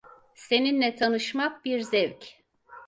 Seninle tanışmak bir zevk.